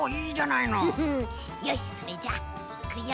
よしそれじゃあいくよ。